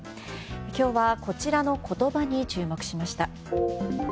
今日はこちらの言葉に注目しました。